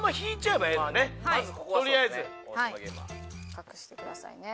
隠してくださいね。